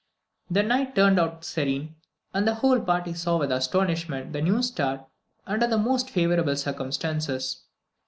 The night turned out serene, and the whole party saw with astonishment the new star under the most favourable circumstances.